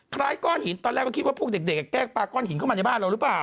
ก้อนหินตอนแรกก็คิดว่าพวกเด็กแกล้งปลาก้อนหินเข้ามาในบ้านเราหรือเปล่า